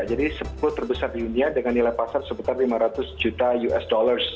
jadi sepuluh terbesar di dunia dengan nilai pasar seputar lima ratus juta usd